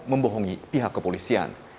membohongi pihak kepolisian